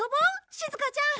しずかちゃん。